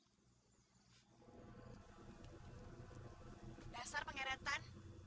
hai dasar pengiratan